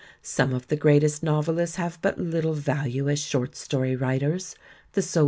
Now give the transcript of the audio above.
:_ir of the greatest novelists have but litrlr Tiiue as storr writers. The so